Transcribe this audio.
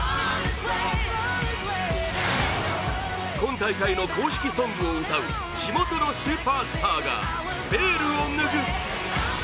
今大会の公式テーマソングを歌う地元のスーパースターがベールを脱ぐ。